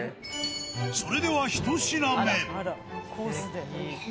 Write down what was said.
それでは１品目。